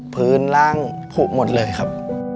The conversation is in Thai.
พื้นร่างผูกหมดเลยครับ